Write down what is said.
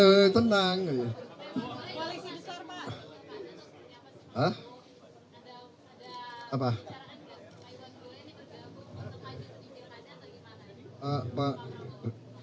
pak iwan bule ini bergabung untuk maju penyihirannya atau gimana